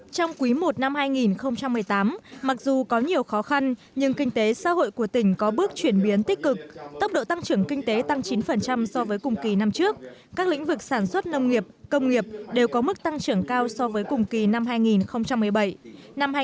trong quý i năm hai nghìn một mươi tám mặc dù có nhiều khó khăn nhưng kinh tế xã hội của tỉnh có bước chuyển biến tích cực tốc độ tăng trưởng kinh tế tăng chín so với cùng kỳ năm trước các lĩnh vực sản xuất nông nghiệp công nghiệp đều có mức tăng trưởng cao so với cùng kỳ năm hai nghìn một mươi bảy